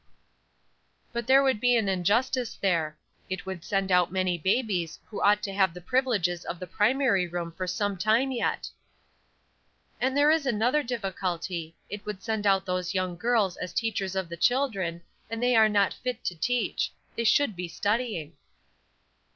"But there would be an injustice there. It would send out many babies who ought to have the privileges of the primary room for some time yet." "And there is another difficulty; it would send out those young girls as teachers of the children, and they are not fit to teach; they should be studying."